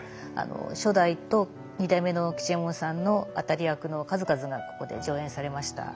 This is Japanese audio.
初代と二代目の吉右衛門さんの当たり役の数々がここで上演されました。